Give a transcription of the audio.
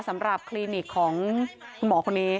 สำหรับคลีนิกของคุณหมอคนนี้